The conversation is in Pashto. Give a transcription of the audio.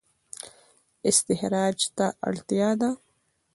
استخراج ته اړتیا ده